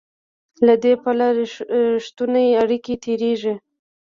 له دې پله رښتونې اړیکې تېرېږي.